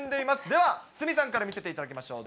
では、鷲見さんから見せていただきましょう。